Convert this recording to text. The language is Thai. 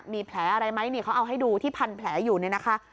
มีแผลอะไรไหมนี่เขาเอาให้ดูที่พันแผลอยู่เนี่ยนะคะ